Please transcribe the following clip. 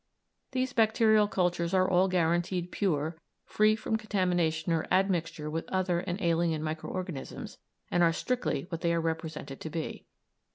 These bacterial cultures are all guaranteed pure, free from contamination or admixture with other and alien micro organisms, and are strictly what they are represented to be.